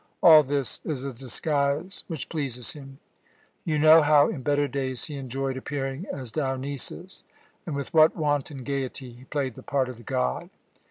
All this is a disguise which pleases him. You know how, in better days, he enjoyed appearing as Dionysus, and with what wanton gaiety he played the part of the god.